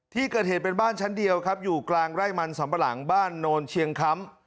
ที่เกิดเหตุเป็นบ้านชั้นเดียวครับอยู่กลางไร่มันสัมปะหลังบ้านโนนเชียงคำ